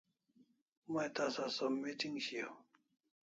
May tasa som meeting shiaw